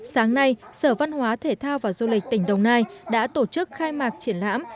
sáng nay sở văn hóa thể thao và du lịch tỉnh đồng nai đã tổ chức khai mạc triển lãm